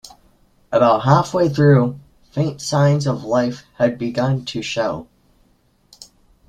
About half-way through, faint signs of life had begun to show.